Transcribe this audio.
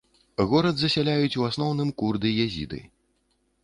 Горад засяляюць ў асноўным курды-езіды.